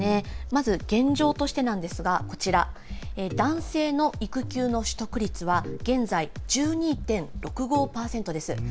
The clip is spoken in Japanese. まず現状としてなんですがこちら、男性の育休の取得率は現在、１２．６５％です。